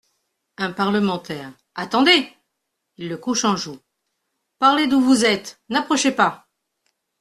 Un parlementaire, attendez ! (Il le couche en joue.) Parlez d'où vous êtes, n'approchez pas.